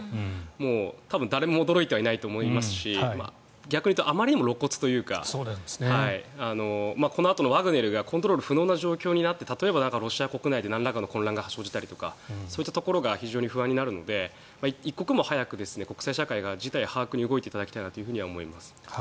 もう多分誰も驚いてはいないと思いますし逆に言うとあまりにも露骨というかこのあとのワグネルがコントロール不能な状況になって例えばロシア国内でなんらかの混乱が生じたりとかそういったところが非常に不安になるので一刻も早く国際社会が事態把握に動いていただきたいなと思います。